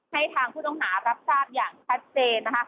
ให้ทางผู้ต้องหารับทราบอย่างชัดเจนนะคะ